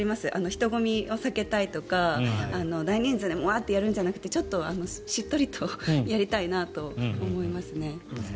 人混みを避けたいとか、大人数でワーッとやるんじゃなくてちょっとしっとりとやりたいなと思いますね。